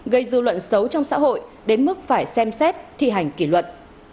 gây dư luận xấu trong xã hội đến mức phải xem xét thi hành kỷ luật